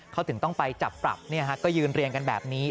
เขาถึงต้องไปจับปรับก็ยืนเรียงกันแบบนี้